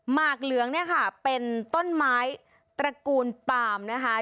หกเหลืองเนี่ยค่ะเป็นต้นไม้ตระกูลปาล์มนะคะ